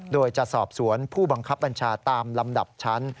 โดยจะสอบสวนผู้บังคับบัญชาตามลำดับชั้น